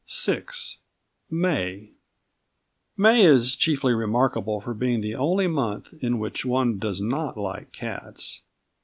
VI MAY May is chiefly remarkable for being the only month in which one does not like cats.